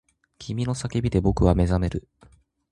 君の叫びで僕は目覚める